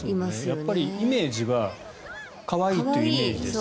やっぱりイメージは可愛いというイメージですから。